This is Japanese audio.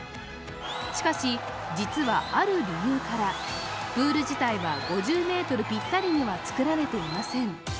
しかし、実はある理由からプール自体は５０ｍぴったりには造られていません。